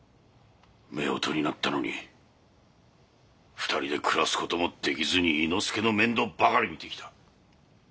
夫婦になったのに２人で暮らす事もできずに猪之助の面倒ばかり見てきた。